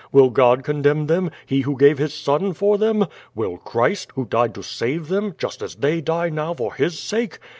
Will God condemn them, He who gave His Son for them? Will Christ, who died to save them, just as they die now for His sake?